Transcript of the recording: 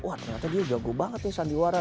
wah ternyata dia jago banget tuh sandiwara